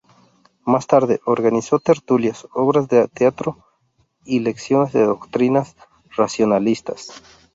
Más tarde organizó tertulias, obras de teatro y lecciones de doctrinas racionalistas.